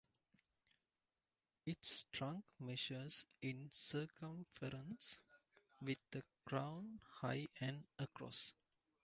Its trunk measures in circumference, with a crown high and across.